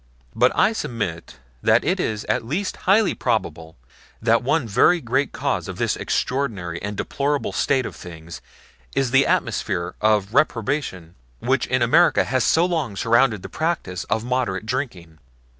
But I submit that it is at least highly probable that one very great cause of this extraordinary and deplorable state of things is the atmosphere of reprobation which in America has so long surrounded the practice of moderate drinking.